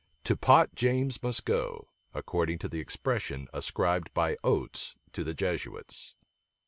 "To pot James must go," according to the expression ascribed by Oates to the Jesuits.